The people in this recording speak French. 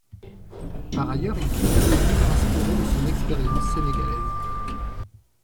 Par ailleurs il publie des livres inspirés de son expérience sénégalaise.